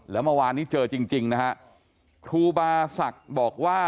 แล้วเมื่อวานนี้เจอจริงนะฮะครูบาศักดิ์บอกว่า